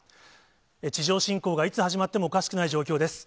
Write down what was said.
地上侵攻がいつ始まってもおかしくない状況です。